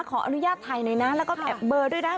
ขออนุญาตถ่ายหน่อยนะแล้วก็แอบเบอร์ด้วยนะ